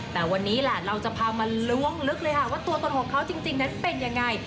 แต่วันนี้แหละเราจะพามาล้วงลึกเลยค่ะว่าตัวตนของเขาจริงนั้นเป็นยังไง